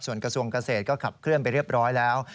ส่วนกระทรวงเกษตรก็ขับเคลื่อนไปเรียบร้อยแล้ว